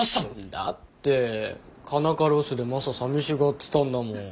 だって佳奈花ロスでマサ寂しがってたんだもん。